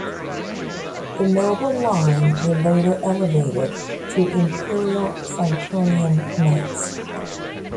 The noble line were later elevated to imperial Franconian knights.